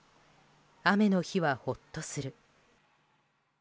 雨の日はホッとする。